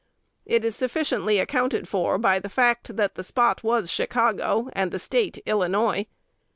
It is sufficiently accounted for by the fact that the "spot" was Chicago, and the State Illinois.